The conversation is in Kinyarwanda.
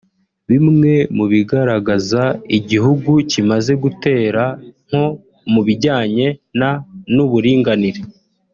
bimwe mu bigaragaza igihugu kimaze gutera nko mu bijyanye na n’uburinganire